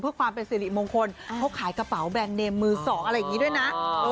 เพื่อความเป็นสิริมงคลเขาขายกระเป๋าแบรนดเนมมือสองอะไรอย่างนี้ด้วยนะ